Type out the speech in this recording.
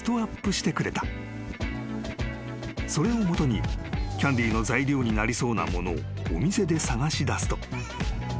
［それを基にキャンディーの材料になりそうなものをお店で探し出すと］